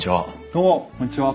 どうもこんにちは。